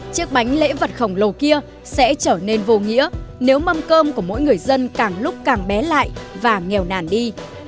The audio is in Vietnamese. chiếc bánh lễ vật khổng lồ kia sẽ trở nên vô nghĩa nếu mâm cơm của mỗi người dân càng lúc càng bé lại và nghèo nàn đi